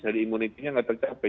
hard immunity nya tidak tercapai